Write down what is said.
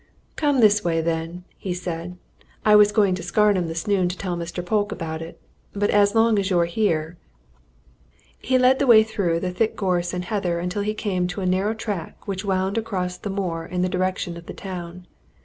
"Come this way, then," he said. "I was going in to Scarnham this noon to tell Mr Polke about it, but as long as you're here " He led the way through the thick gorse and heather until he came to a narrow track which wound across the moor in the direction of the town.